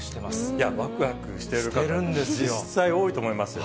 いや、わくわくしてる方、実際多いと思いますよ。